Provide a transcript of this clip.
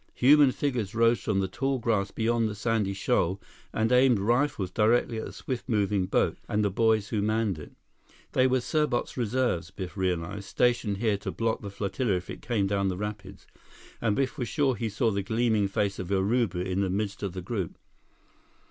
Human figures rose from the tall grass beyond the sandy shoal and aimed rifles directly at the swift moving boat and the boys who manned it. They were Serbot's reserves, Biff realized, stationed here to block the flotilla if it came down the rapids, and Biff was sure he saw the gleaming face of Urubu in the midst of the group.